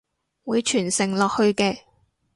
會傳承落去嘅！